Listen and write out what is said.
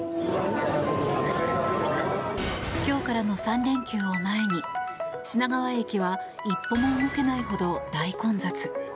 今日からの３連休を前に品川駅は一歩も動けないほど大混雑。